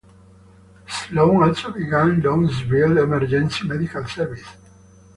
Sloane also began Louisville's Emergency Medical Service.